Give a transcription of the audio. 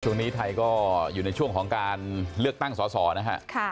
ช่วงนี้ไทยก็อยู่ในช่วงของการเลือกตั้งสอนะฮะ